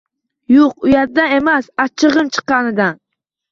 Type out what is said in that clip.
Yo`q, uyatdan emas, achchig`im chiqqanidan